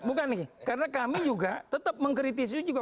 bukan nih karena kami juga tetap mengkritisi juga